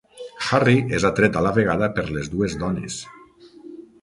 Harry és atret a la vegada per les dues dones.